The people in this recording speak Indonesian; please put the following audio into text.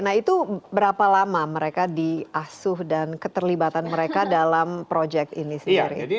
nah itu berapa lama mereka di asuh dan keterlibatan mereka dalam project ini sendiri